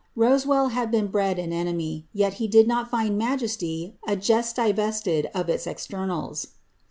ril had been bred an enemy, yet he did not find ^majeety a jest d of its externals.''